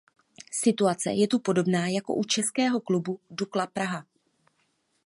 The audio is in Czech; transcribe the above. Situace je to podobná jako u českého klubu Dukla Praha.